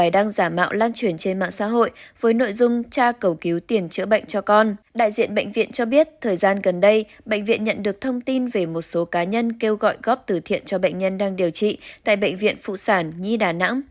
đại diện tra cứu bệnh viện cho biết thời gian gần đây bệnh viện nhận được thông tin về một số cá nhân kêu gọi góp từ thiện cho bệnh nhân đang điều trị tại bệnh viện phụ sản nhi đà nẵng